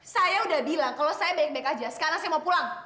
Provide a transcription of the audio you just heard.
saya udah bilang kalau saya baik baik aja sekarang saya mau pulang